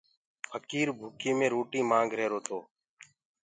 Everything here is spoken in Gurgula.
ڦڪير ڀوڪي مي روٽيٚ مآنگ رهيرو تو۔